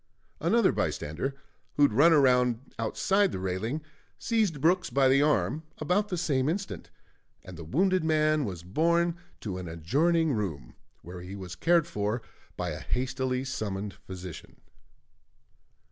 Another bystander, who had run round outside the railing, seized Brooks by the arm about the same instant; and the wounded man was borne to an adjoining room, where he was cared for by a hastily summoned physician.